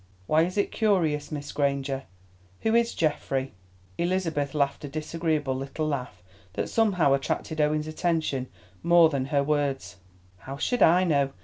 "Why is it curious, Miss Granger? Who is Geoffrey?" Elizabeth laughed a disagreeable little laugh that somehow attracted Owen's attention more than her words. "How should I know?